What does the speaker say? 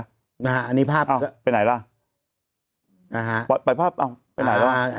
อ่าอันนี้ภาพอ้าวไปไหนแล้วอ่าฮะปล่อยไปภาพอ้าวไปไหนแล้วอ่า